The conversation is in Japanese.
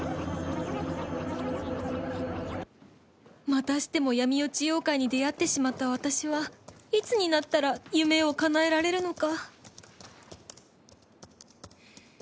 またしても闇落ち妖怪に出会ってしまった私はいつになったら夢を叶えられるのか